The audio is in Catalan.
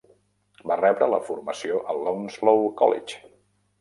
Va rebre la formació a l'Onslow College.